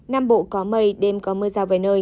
nam bộ có mây đêm có mưa rào vài nơi